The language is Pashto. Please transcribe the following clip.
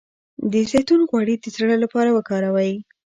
د زیتون غوړي د زړه لپاره وکاروئ